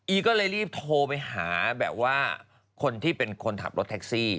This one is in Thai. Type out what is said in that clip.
ก็เลยรีบโทรไปหาแบบว่าคนที่เป็นคนขับรถแท็กซี่